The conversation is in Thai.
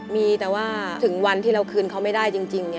มีแต่ว่าถึงวันที่เราคืนเขาไม่ได้จริง